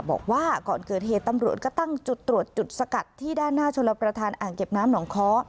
บอกว่าก่อนเกิดเหตุตำรวจก็ตั้งจุดตรวจจุดสกัดที่ด้านหน้าชลประธานอ่างเก็บน้ำหนองค้อ